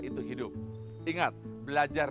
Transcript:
itu hidup ingat belajar